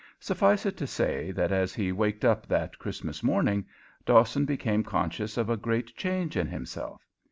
Suffice it to say that as he waked up that Christmas morning, Dawson became conscious of a great change in himself.